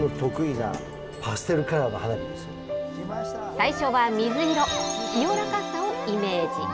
最初は水色、清らかさをイメージ。